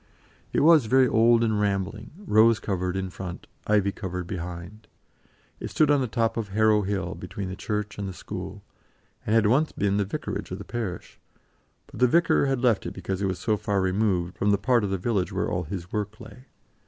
It was very old and rambling, rose covered in front, ivy covered behind; it stood on the top of Harrow Hill, between the church and the school, and had once been the vicarage of the parish, but the vicar had left it because it was so far removed from the part of the village where all his work lay.